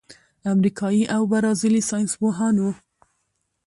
امریکايي او برازیلي ساینسپوهانو